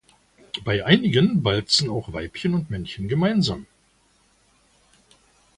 Bei einigen balzen auch Weibchen und Männchen gemeinsam.